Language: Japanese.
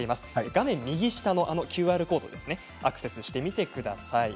画面右下のＱＲコードにアクセスしてみてください。